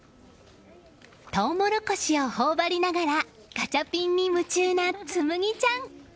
トウモロコシを頬張りながらガチャピンに夢中な紬麦ちゃん。